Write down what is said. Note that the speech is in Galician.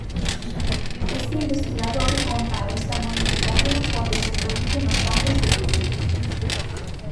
Este investigador compara esta modificación coa a que se produce nos campos de cultivo.